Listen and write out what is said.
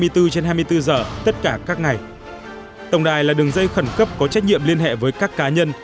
trên hai mươi bốn giờ tất cả các ngày tổng đài là đường dây khẩn cấp có trách nhiệm liên hệ với các cá nhân